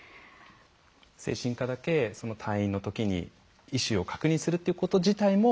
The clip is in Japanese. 精神科だけ退院のときに意思を確認するということ自体も。